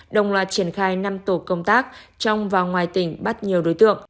đồng loạt triển khai năm tổ công tác trong và ngoài tỉnh bắt nhiều đối tượng